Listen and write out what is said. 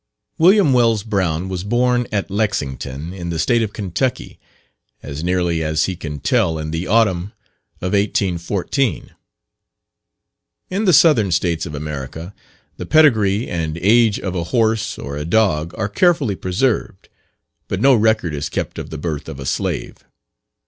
William Wells Brown was born at Lexington, in the state of Kentucky, as nearly as he can tell in the autumn of 1814. In the Southern States of America, the pedigree and age of a horse or a dog are carefully preserved, but no record is kept of the birth of a slave.